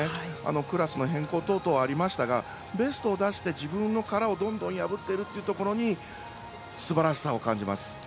クラスの変更等々ありましたがベストを出して自分の殻をどんどん破っているところにすばらしさを感じます。